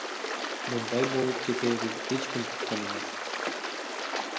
Мындай болуп кетээрин эч ким күткөн эмес.